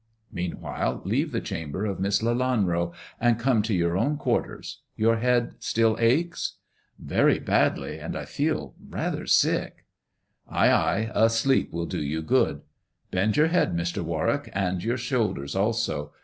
Mean while, leave the chamber of Miss Lelanro, and come to your own quarters. Your head still aches 1 "" Very badly, and I feel rather sick." " Ay, ay ! A sleep will do you good. Bend your head, Mr. Warwick, and your shoulders also.